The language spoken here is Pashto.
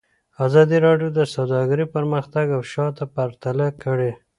ازادي راډیو د سوداګري پرمختګ او شاتګ پرتله کړی.